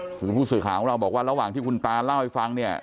คือผู้สื่อข่าวของเราบอกว่าระหว่างที่คุณตาเล่าให้ฟังเนี่ย